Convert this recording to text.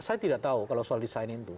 saya tidak tahu kalau soal desain itu